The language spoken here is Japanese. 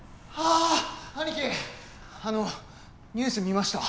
あのニュース見ました。